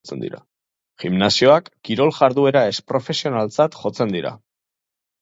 Gimnasioak kirol jarduera ez profesionaltzat jotzen dira.